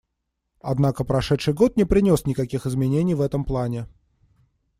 Однако прошедший год не принес никаких изменений в этом плане.